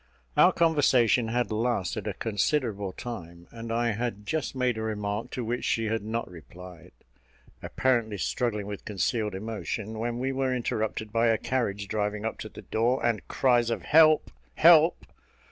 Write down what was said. Our conversation had lasted a considerable time; and I had just made a remark to which she had not replied, apparently struggling with concealed emotion, when we were interrupted by a carriage driving up to the door, and cries of "Help! help!"